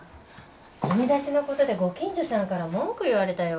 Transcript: ゴミ出しの事でご近所さんから文句言われたよ。